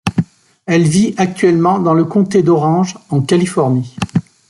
Elle vit actuellement dans le Comté d'Orange, en Californie.